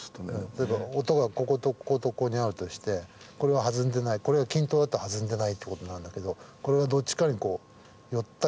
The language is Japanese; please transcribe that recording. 例えば音がこことこことここにあるとしてこれが弾んでないこれが均等だと弾んでないってことになんだけどこれがどっちかにこう寄ったりするわけですよね。